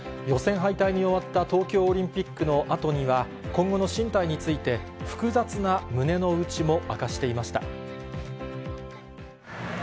予選敗退に終わった東京オリンピックのあとには、今後の進退について、複雑な胸の内も明かしていました。